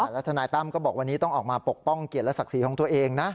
แล้วทนายตั้มก็บอกวันนี้ต้องออกมาปกป้องเกียรติและศักดิ์ศรีของตัวเองนะ